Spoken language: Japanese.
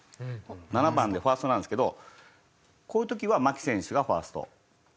７番でファーストなんですけどこういう時は牧選手がファーストかなと。